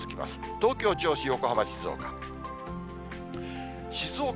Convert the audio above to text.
東京、銚子、横浜、静岡。